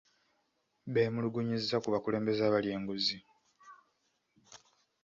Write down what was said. Beemulugunyizza ku bakulembeze abalya enguzi.